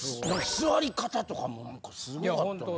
座り方とかも何かすごかったね。